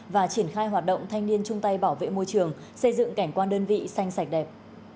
và triển khai hoạt động thanh niên chung tay bảo vệ môi trường xây dựng cảnh quan đơn vị xanh sạch đẹp